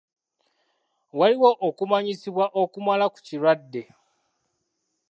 Waliwo okumanyisibwa okumala ku kirwadde.